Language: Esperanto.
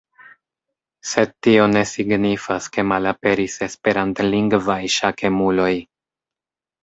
Sed tio ne signifas ke malaperis esperantlingvaj ŝakemuloj.